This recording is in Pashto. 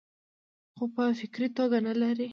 خو پۀ فکري توګه نۀ لري -